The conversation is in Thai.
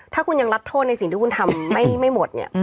ถ้าคุณยังรับโทษในสิ่งที่คุณทำไม่หมดเนี่ย